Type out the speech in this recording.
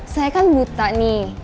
saya kan buta nih